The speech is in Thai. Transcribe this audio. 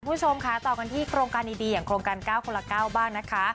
คุณผู้ชมค่ะต่อกันที่โครงการดีอย่างโครงการ๙คนละ๙บ้างนะคะ